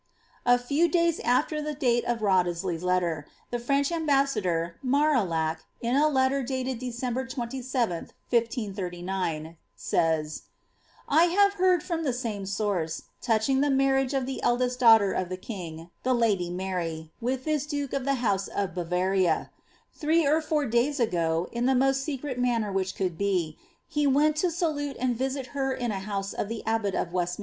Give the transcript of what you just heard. A few days after the dale of Wriothesley's letter, the French ambas sador Marillac, in a letter dated December 27th, 1 539, says —^ I hare heard from the same source, touching the marriage of the eldest daugh ter of the king, the lady Mary, with this duke of the house of Bavaria Three or four days ago, in the most secret manner which could be, be went to salute and visit her in a house of the abbot of Westminster, io * H<»arne'» Sylloge.